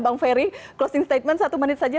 bang ferry closing statement satu menit saja